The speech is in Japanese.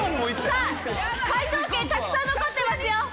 さあ解答権たくさん残ってますよ！